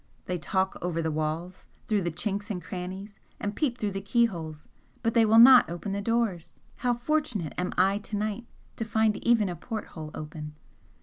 They talk over the walls, through the chinks and crannies, and peep through the keyholes but they will not open the doors. How fortunate am I to night to find even a port hole open!"